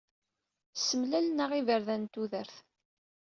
Semlalen-aɣ iberdan n tudert.